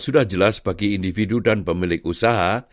sudah jelas bagi individu dan pemilik usaha